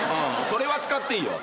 それは使っていいよ。